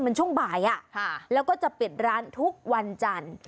เป็นช่วงบ่ายแล้วก็จะเปลี่ยนร้านทุกวันจันทร์